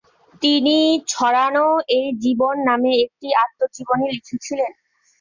তিনি "ছড়ানো এই জীবন" নামে একটি আত্মজীবনী লিখেছিলেন।